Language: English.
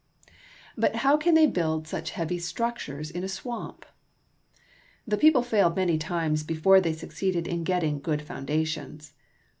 But how can they build such heavy structures in a swamp? The people failed many times before they suc ceeded in getting good foundations.